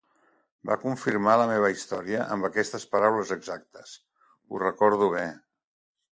Va confirmar la meva història, amb aquestes paraules exactes: "ho recordo bé".